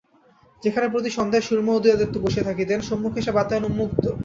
যেখানে প্রতি সন্ধ্যায় সুরমা ও উদয়াদিত্য বসিয়া থাকিতেন, সম্মুখে সে বাতায়ন উন্মুক্ত।